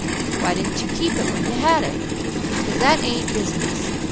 " "Why didn't you keep it when you had it?" "'Cause that ain't business!